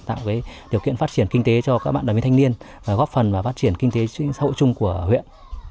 tạo điều kiện phát triển kinh tế cho các bạn đoàn viên thanh niên và góp phần vào phát triển kinh tế xã hội chung của huyện